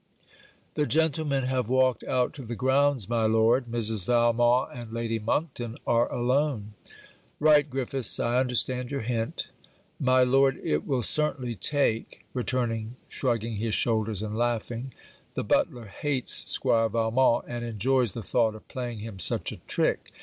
'The gentlemen have walked out to the grounds, my lord. Mrs. Valmont and Lady Monkton are alone.' 'Right Griffiths, I understand your hint.' 'My Lord, it will certainly take,' returning shrugging his shoulders and laughing. 'The butler hates squire Valmont, and enjoys the thought of playing him such a trick.